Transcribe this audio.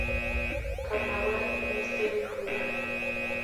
Carnaval, misterio y fuga